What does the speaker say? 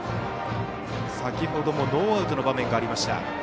先ほどもノーアウトの場面がありました。